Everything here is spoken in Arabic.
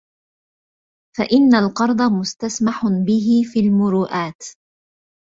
فَإِنَّ الْقَرْضَ مُسْتَسْمَحٌ بِهِ فِي الْمُرُوآت